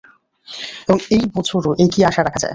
এবং এই বছরও একই আশা রাখা যায়।